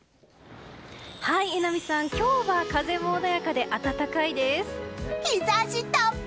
今日は風も穏やかで暖かいです。